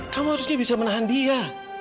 kamu harusnya bisa menahan dia